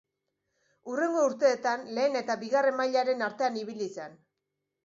Hurrengo urteetan lehen eta bigarren mailaren artean ibili zen.